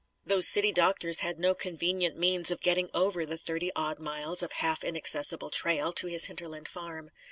Those city doctors had no convenient means of getting over the thirty odd miles of half inaccessible trail, to his hinterland farm.